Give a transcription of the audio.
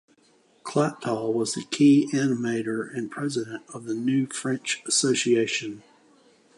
Chaptal was the key animator and president of the new French association.